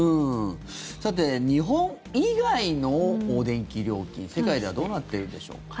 さて、日本以外の電気料金世界ではどうなっているんでしょうか。